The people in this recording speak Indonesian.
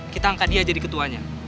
kita angkat dia jadi ketuanya